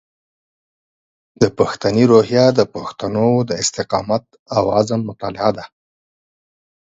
د پښتني روحیه د پښتنو د استقامت او عزم مطالعه ده.